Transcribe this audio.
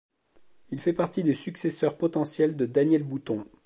Il fait partie des successeurs potentiels de Daniel Bouton.